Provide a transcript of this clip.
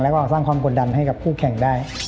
แล้วก็สร้างความกดดันให้กับคู่แข่งได้